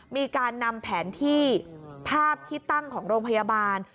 มีการนำแผนที่ภาพที่ตั้งของโรงพยาบาล